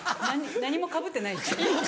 何もかぶってないですね。